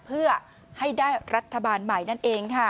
เพื่อให้ได้รัฐบาลใหม่นั่นเองค่ะ